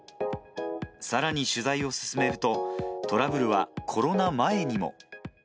さらに取材を進めると、トラブルはコロナ前にも。